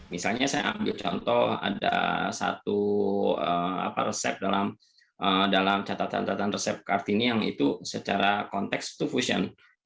misalnya saya ambil contoh ada satu resep dalam catatan catatan resep kartini yang itu secara konteks itu fusion